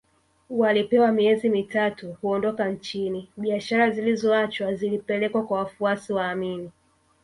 Walipewa miezi mitatu kuondoka nchini biashara zilizoachwa zilipelekwa kwa wafuasi wa Amin